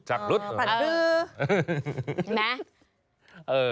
ปั่นดื้อ